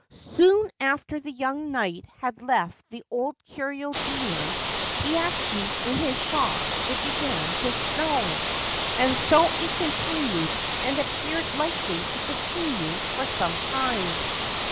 Soon after the young knight had left the old curio dealer Kihachi in his shop it began to snow, and so it continued, and appeared likely to continue for some time.